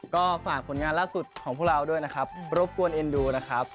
ก็ฝากผลงานล่าสุดของพวกเราด้วยนะครับรบกวนเอ็นดูนะครับ